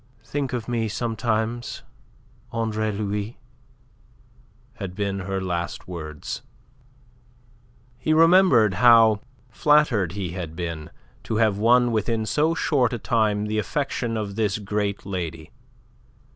"Think of me sometimes, Andre Louis," had been her last words. He remembered how flattered he had been to have won within so short a time the affection of this great lady.